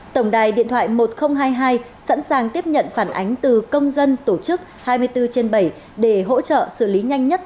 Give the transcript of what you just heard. tổng đài điện thoại một nghìn hai mươi hai sẵn sàng tiếp nhận phản ánh từ công dân tổ chức hai mươi bốn trên bảy để hỗ trợ xử lý nhanh nhất